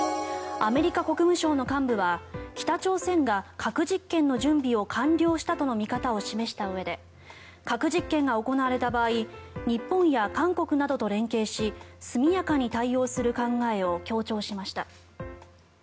アメリカ国務省の幹部は北朝鮮が核実験の準備を完了したとの見方を示したうえで核実験が行われた場合日本や韓国と連携して速やかに対応する考えを強調しました。